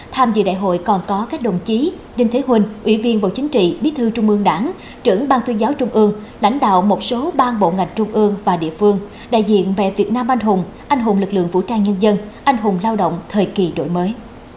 tham dự đại hội còn có các đồng chí đinh thế hùng ủy viên bộ chính trị bí thư trung ương đảng trưởng ban tuyên giáo trung ương lãnh đạo một số bang bộ ngành trung ương và địa phương đại diện về việt nam anh hùng anh hùng lực lượng vũ trang nhân dân anh hùng lao động thời kỳ đổi mới